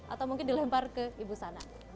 atau mungkin dilempar ke ibu sana